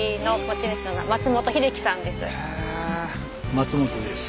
松本です。